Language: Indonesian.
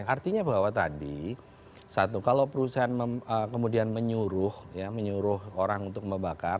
artinya bahwa tadi satu kalau perusahaan kemudian menyuruh orang untuk membakar